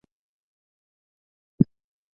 顺治十一年辛卯科江南乡试举人。